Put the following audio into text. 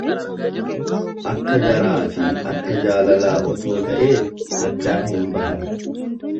Akka garaafi akka jaalalaa odoo ta'ee addaan hin bahan.